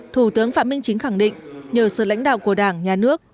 thủ tướng phạm minh chính khẳng định nhờ sự lãnh đạo của đảng nhà nước